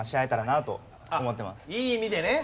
あっいい意味でね。